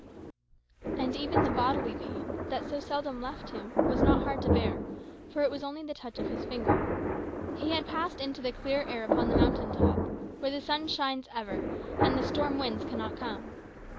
And even the bodily pain, that so seldom left him, was not hard to bear, for it was only the touch of His finger. He had passed into the clear air upon the mountain top, where the sun shines ever, and the storm winds cannot come.